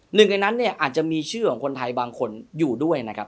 หนึ่งในนั้นเนี่ยอาจจะมีชื่อของคนไทยบางคนอยู่ด้วยนะครับ